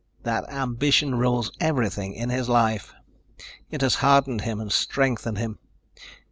That ambition rules everything in his life. It has hardened him and strengthened him.